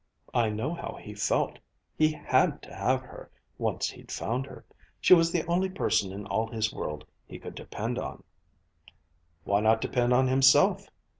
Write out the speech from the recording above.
"I know how he felt. He had to have her, once he'd found her. She was the only person in all his world he could depend on." "Why not depend on himself?"